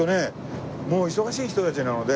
もう忙しい人たちなので。